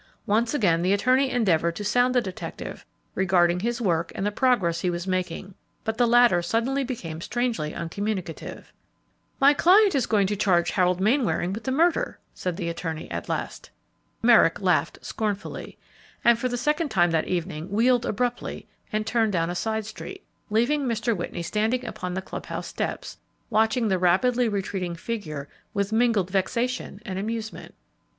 Once again, the attorney endeavored to sound the detective regarding his work and the progress he was making, but the latter suddenly became strangely uncommunicative. "My client is going to charge Harold Mainwaring with the murder," said the attorney at last. Merrick laughed scornfully, and for the second time that evening wheeled abruptly and turned down a side street, leaving Mr. Whitney standing upon the club house steps, watching the rapidly retreating figure with mingled vexation and amusement.